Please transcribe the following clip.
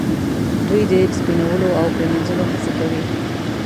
دوی د سپینولو او پریمینځلو هڅه کوي.